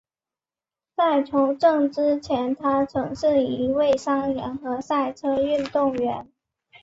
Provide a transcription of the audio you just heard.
在从政之前他曾是一位商人和赛车运动员。